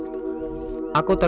tentang ilmu hitam